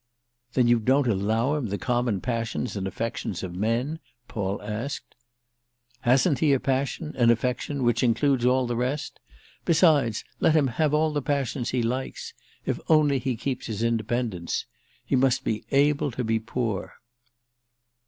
"Then you don't allow him the common passions and affections of men?" Paul asked. "Hasn't he a passion, an affection, which includes all the rest? Besides, let him have all the passions he likes—if he only keeps his independence. He must be able to be poor."